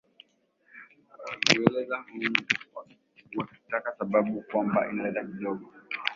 uzela huumm wakitaja sababu kwamba inaleta kidogo